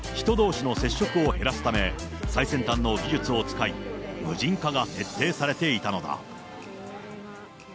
人どうしの接触を減らすため、最先端の技術を使い、無人化が徹底されていたのだ。